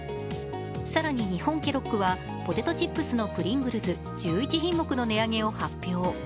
更に、日本ケロッグはポテトチップスのプリングルス１１品目の値上げを発表。